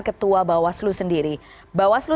ketua bawaslu sendiri bawaslu